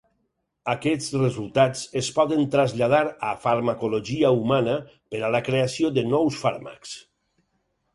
Aquests resultats es poden traslladar a farmacologia humana per a la creació de nous fàrmacs.